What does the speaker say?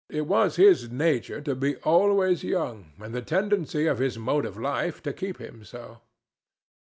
It was his nature to be always young, and the tendency of his mode of life to keep him so.